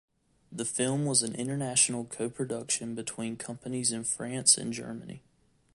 The film was an international co-production between companies in France and Germany.